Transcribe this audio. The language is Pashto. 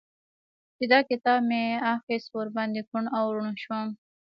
چې دا کتاب مې اخيست؛ ور باندې کوڼ او ړونډ شوم.